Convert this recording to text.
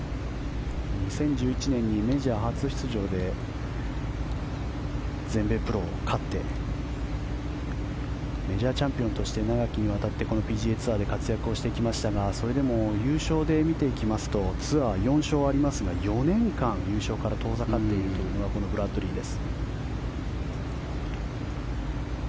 ２０１１年にメジャー初出場で全米プロ勝ってメジャーチャンピオンとして長きにわたってこのＰＧＡツアーで活躍をしてきましたがそれでも優勝で見ていきますとツアー４勝はありますが４年間、優勝から遠ざかっているというのがこのブラッドリーです。